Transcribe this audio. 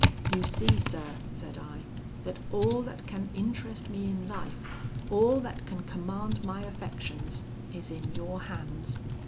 'You see, sir,' said I, 'that all that can interest me in life, all that can command my affections, is in your hands.